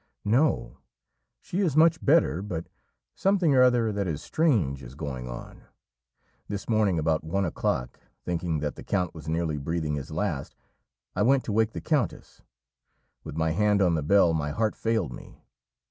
"No, she is much better, but something or other that is strange is going on. This morning about one o'clock, thinking that the count was nearly breathing his last, I went to wake the countess; with my hand on the bell my heart failed me.